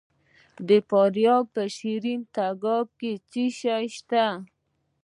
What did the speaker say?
د فاریاب په شیرین تګاب کې څه شی شته؟